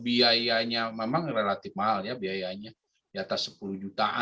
bianya memang relatif mahalharga b hal ini dibayaraho nous click hitim mulius superfickoapo siar bagi